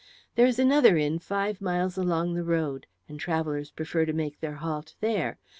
"There is another inn five miles along the road, and travellers prefer to make their halt there.